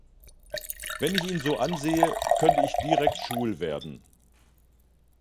Wenn ich ihn so ansehe, könnte ich direkt schwul werden.